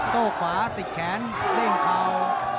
โต๊ะขวาติดแขนเต้นเกรา